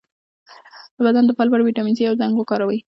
د بدن د دفاع لپاره ویټامین سي او زنک وکاروئ